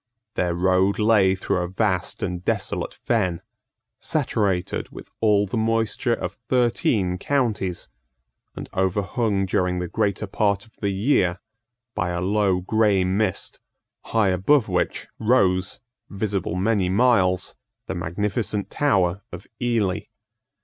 Their road lay through a vast and desolate fen, saturated with all the moisture of thirteen counties, and overhung during the greater part of the year by a low grey mist, high above which rose, visible many miles, the magnificent tower of Ely.